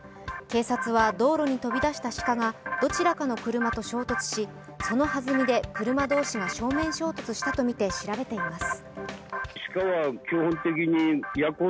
警察は、道路に飛び出した鹿がどちらかの車と衝突し、そのはずみで、車同士が正面衝突したとみて調べています。